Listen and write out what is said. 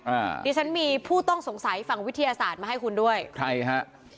ดิฉันมีผู้ต้องสงสัยฝั่งวิทยาศาสตร์มาให้คุณด้วยใครฮะ